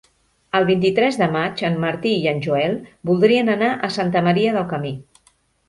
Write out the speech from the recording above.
El vint-i-tres de maig en Martí i en Joel voldrien anar a Santa Maria del Camí.